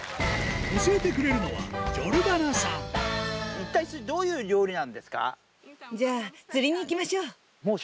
教えてくれるのは、ジョルダナさ一体それ、どういう料理なんじゃあ、釣りに行きましょう。